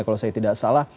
kalau saya tidak salah